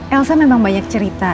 elsa memang banyak cerita